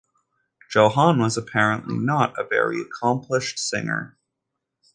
Johann was apparently not a very accomplished singer.